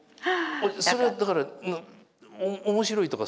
それはだから面白いとかそういう。